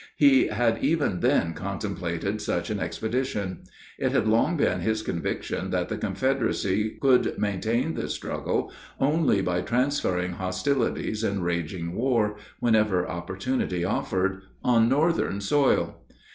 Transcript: He had even then contemplated such an expedition. It had long been his conviction that the Confederacy could maintain the struggle only by transferring hostilities and waging war, whenever opportunity offered, on Northern soil.